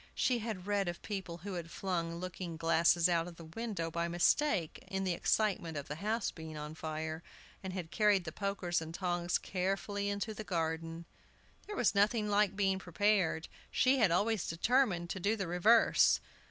She had read of people who had flung looking glasses out of the window by mistake, in the excitement of the house being on fire, and had carried the pokers and tongs carefully into the garden. There was nothing like being prepared. She had always determined to do the reverse.